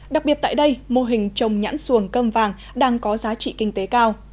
đặc biệt tại đây mô hình trồng nhãn xuồng cơm vàng đang có giá trị kinh tế cao